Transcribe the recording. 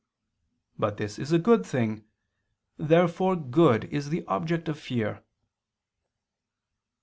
But this is a good thing. Therefore good is the object of fear.